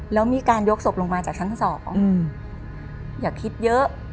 แล้วมีการยกศพลงมาจากชั้น๒อย่าคิดเยอะ